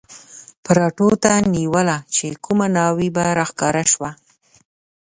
پراټو ته نیوله چې کومه ناوې به را ښکاره شوه.